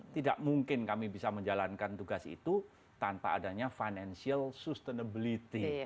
tidak mungkin kami bisa menjalankan tugas itu tanpa adanya financial sustainability